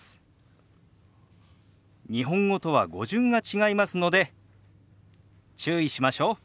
日本語とは語順が違いますので注意しましょう。